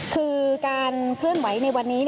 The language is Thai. คือการเคลื่อนไหวในวันนี้